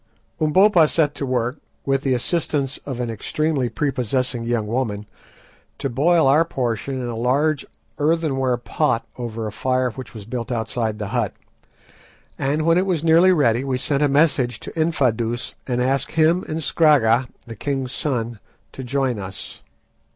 Umbopa set to work, with the assistance of an extremely prepossessing young woman, to boil our portion in a large earthenware pot over a fire which was built outside the hut, and when it was nearly ready we sent a message to Infadoos, and asked him and Scragga, the king's son, to join us.